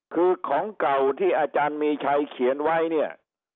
คือของเก่าที่อาจารย์มีชัยเขียนไว้เนี่ย